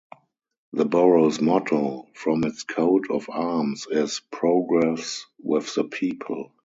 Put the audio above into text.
The borough's motto, from its Coat of Arms, is "Progress with the People".